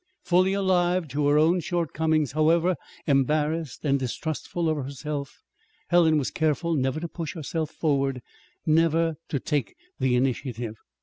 Fully alive to her own shortcomings, however, embarrassed, and distrustful of herself, Helen was careful never to push herself forward, never to take the initiative.